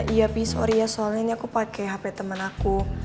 iya pi sorry ya soalnya ini aku pake hp temen aku